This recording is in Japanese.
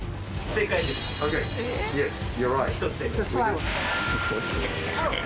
正解です！